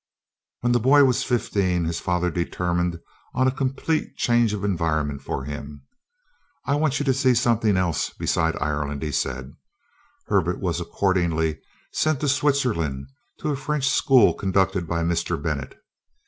When the boy was fifteen, his father determined on a complete change of environment for him. "I want you to see something else besides Ireland," he said. Herbert was accordingly sent to Switzerland, to a French school conducted by a Mr. Bennett.